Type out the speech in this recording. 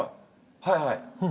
はいはい。